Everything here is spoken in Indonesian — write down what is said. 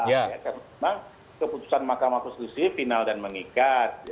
karena memang keputusan mahkamah konstitusi final dan mengikat